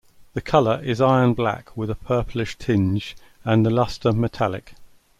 The color is iron-black with a purplish tinge, and the luster metallic.